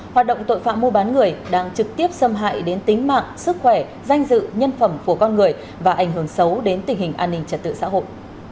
hoạt động tội phạm mua bán người đang trực tiếp xâm hại đến tính mạng sức khỏe danh dự nhân phẩm của con người và ảnh hưởng xấu đến tình hình an ninh trật tự xã hội